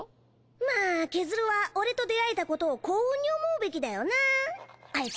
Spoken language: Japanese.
まぁケズルはオレと出会えたことを幸運に思うべきだよなアイツ